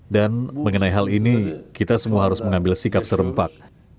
dan mengenai hal ini kita semua harus mengambil sikap serempak